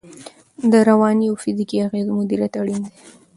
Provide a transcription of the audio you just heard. د رواني او فزیکي اغېزو مدیریت اړین دی.